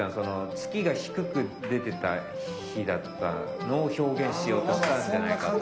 月が低く出てた日だったのを表現しようとしたんじゃないかと。